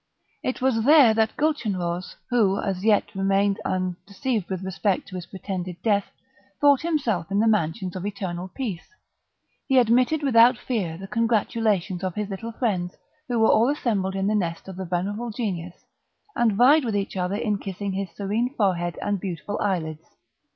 It was there that Gulchenrouz, who as yet remained undeceived with respect to his pretended death, thought himself in the mansions of eternal peace, he admitted without fear the congratulations of his little friends, who were all assembled in the nest of the venerable Genius, and vied with each other in kissing his serene forehead and beautiful eyelids.